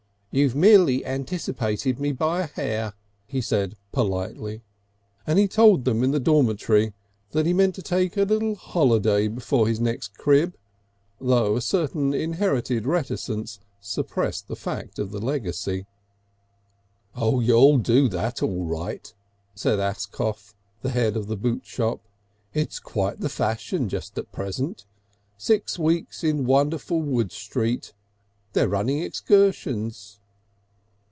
"You've merely anti separated me by a hair," he said politely. And he told them in the dormitory that he meant to take a little holiday before his next crib, though a certain inherited reticence suppressed the fact of the legacy. "You'll do that all right," said Ascough, the head of the boot shop. "It's quite the fashion just at present. Six Weeks in Wonderful Wood Street. They're running excursions...."